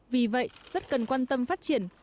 vì vậy rất cần quan tâm phát triển